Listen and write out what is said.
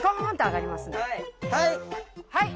はい！